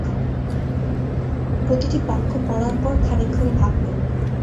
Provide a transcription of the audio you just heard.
প্রতিটি বাক্য পড়ার পর খানিকক্ষণ ভাবলেন।